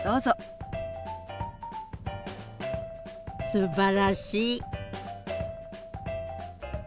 すばらしい。